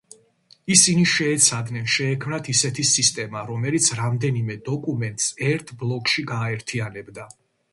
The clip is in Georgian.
ისინი შეეცადნენ, შეექმნათ ისეთი სისტემა, რომელიც რამდენიმე დოკუმენტს ერთ ბლოკში გააერთიანებდა.